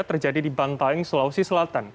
terjadi di bantaeng sulawesi selatan